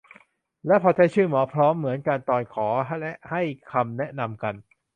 และพอใช้ชื่อ หมอพร้อม เหมือนกัน ตอนขอและให้คำแนะนำกัน